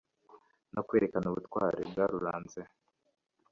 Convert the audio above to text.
no kwerekana ubutwari bwaruranze